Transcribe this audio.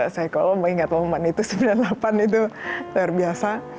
saya kalau ingat momen itu sembilan puluh delapan itu luar biasa